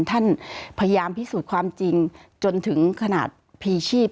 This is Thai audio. ท่านพยายามพิสูจน์ความจริงจนถึงขนาดพีชีพ